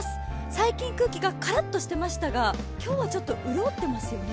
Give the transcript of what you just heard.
最近空気がからっとしていましたが、今日はちょっと潤っていますよね。